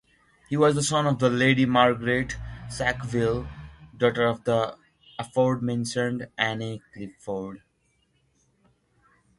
He was the son of Lady Margaret Sackville, daughter of the aforementioned Anne Clifford.